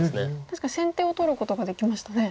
確かに先手を取ることができましたね。